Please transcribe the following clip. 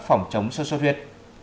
phòng chống sốt suốt huyết